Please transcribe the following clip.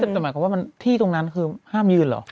แต่หมายความว่าที่ตรงนั้นคือห้ามยืนเหรอ